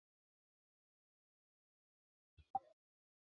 印度拟蕨藓为蕨藓科拟蕨藓属下的一个种。